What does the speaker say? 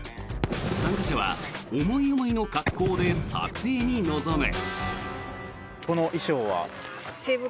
参加者は思い思いの格好で撮影に臨む。